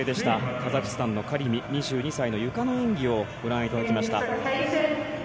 カザフスタンのカリミ２２歳のゆかの演技をご覧いただきました。